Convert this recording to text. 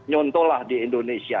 contoh lah di indonesia